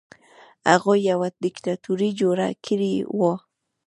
هغوی یوه دیکتاتوري جوړه کړې وه.